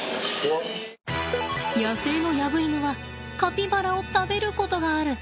野生のヤブイヌはカピバラを食べることがある。